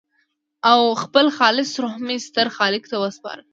او خپل خالص روح مې ستر خالق ته وسپاره.